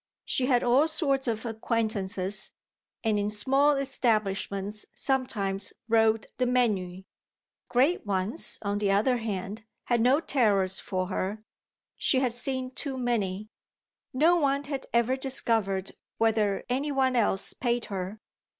She had all sorts of acquaintances and in small establishments sometimes wrote the menus. Great ones, on the other hand, had no terrors for her she had seen too many. No one had ever discovered whether any one else paid her.